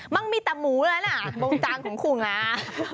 มังมีต่อหมูแล้วนะบรงจางของขู่งา